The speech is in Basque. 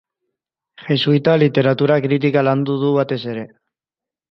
Jesuita; literatura-kritika landu du batez ere.